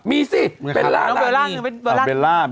มีสิเบลล่านี่